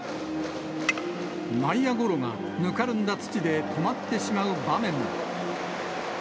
内野ゴロがぬかるんだ土で止まってしまう場面も。